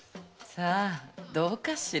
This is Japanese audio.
さあどうかしら？